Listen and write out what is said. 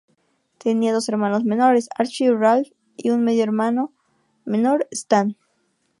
Tenía dos hermanos menores, Archie y Ralph, y un medio hermano menor, Stan.